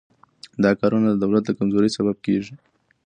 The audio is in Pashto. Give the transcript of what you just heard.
دا کارونه د دولت د کمزورۍ سبب کیږي.